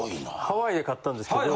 ハワイで買ったんですけど。